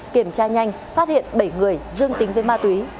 kiểm tra nhanh phát hiện bảy người dương tính với ma túy